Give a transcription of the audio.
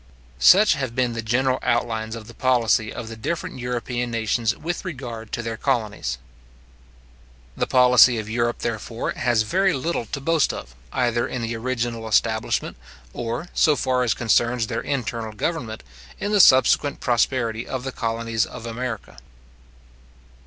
Such have been the general outlines of the policy of the different European nations with regard to their colonies. The policy of Europe, therefore, has very little to boast of, either in the original establishment, or, so far as concerns their internal government, in the subsequent prosperity of the colonies of America.